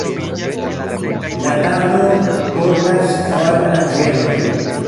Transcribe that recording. La tablon portas kvar anĝeloj.